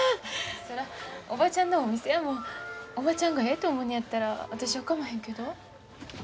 そらおばちゃんのお店やもんおばちゃんがええと思うのやったら私はかまへんけど。